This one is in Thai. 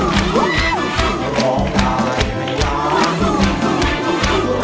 ร้องได้ให้ล้าน